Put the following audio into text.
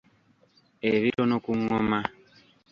Ebitono ku ngoma.